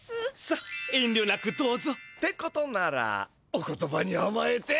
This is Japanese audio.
さっえんりょなくどうぞ。ってことならお言葉にあまえて。